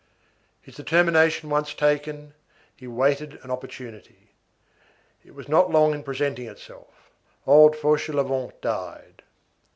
His determination once taken, he awaited an opportunity. It was not long in presenting itself. Old Fauchelevent died.